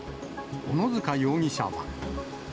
小野塚容疑者は。